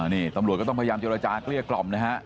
นี่ตำรวจก็ต้องพยายามเจรจาเกลี้ยกล่อมนะฮะ